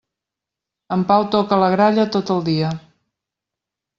En Pau toca la gralla tot el dia.